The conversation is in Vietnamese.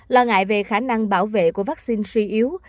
lo ngại về khả năng bảo vệ của vaccine suy yếu